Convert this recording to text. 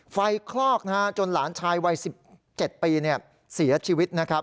ไฟคลอกจนหลานชายวัย๑๗ปีเสียชีวิต